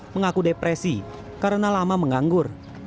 mengaku depresi karena lama menganggur